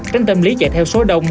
tránh tâm lý chạy theo số đông